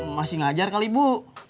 masih ngajar kali bu